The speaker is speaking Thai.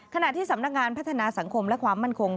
ขณะที่สำนักงานพัฒนาสังคมและความมั่นคง